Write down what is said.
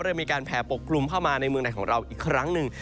เริ่มมีการแผ่ปกกลุ่มเข้ามาในเมืองไหนของเราอีกครั้งหนึ่ง